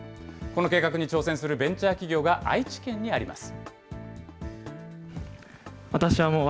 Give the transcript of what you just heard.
この計画に挑戦するベンチャー企業が愛知県にあります。